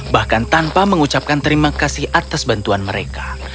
bahkan tanpa mengucapkan terima kasih atas bantuan mereka